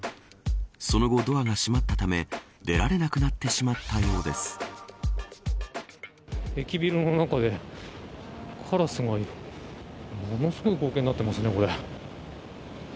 その後ドアが閉まったため出られなくなって駅ビルの中でカラスがものすごい光景になっていますね。